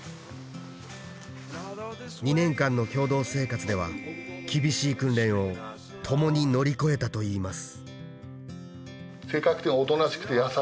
２年間の共同生活では厳しい訓練を共に乗り越えたといいます